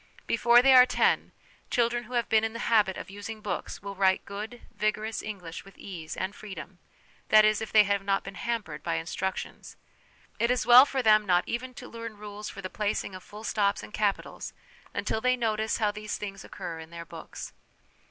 Before they are ten, children who have been in the habit of using books will write good, vigorous English with ease and freedom ; that is, if they have not been hampered by instructions. It is well for them not even to learn rules for the placing of full stops and capitals until they notice how these things occur in their books.